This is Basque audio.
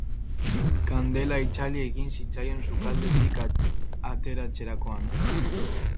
Kandela itzali egin zitzaion sukaldetik ateratzerakoan.